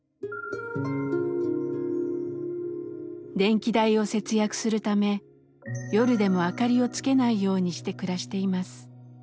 電気代を節約するため夜でも明かりをつけないようにして暮らしています。